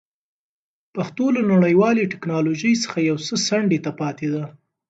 پښتو له نړیوالې ټکنالوژۍ څخه یو څه څنډې ته پاتې ده.